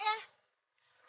ditirisin tuh apa sih